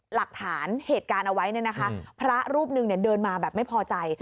หลักฐานเหตุการณ์เอาไว้เนี่ยนะคะพระรูปหนึ่งเนี่ยเดินมาแบบไม่พอใจ